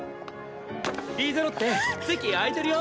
リーゼロッテ席空いてるよ！